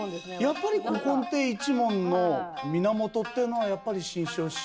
やっぱり古今亭一門の源っていうのはやっぱり志ん生師匠に。